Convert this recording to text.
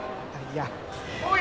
いや。